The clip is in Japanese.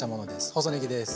細ねぎです。